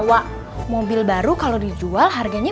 wah mau kembali saja kayanya